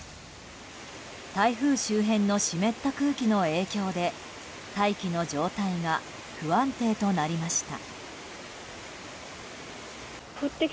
台風周辺の湿った空気の影響で大気の状態が不安定となりました。